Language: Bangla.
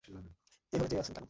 এভাবে চেয়ে আছেন কেন?